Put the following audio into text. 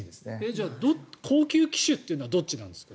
じゃあ、高級機種はどっちなんですか？